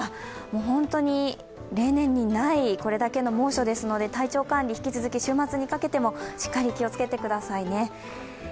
もう本当に例年にないこれだけの猛暑ですので体調管理、引き続き、週末にかけてもしっかり気をつけてください。